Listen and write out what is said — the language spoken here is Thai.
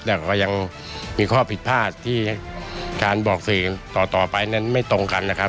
แต่ก็ยังมีข้อผิดพลาดที่การบอกสื่อต่อไปนั้นไม่ตรงกันนะครับ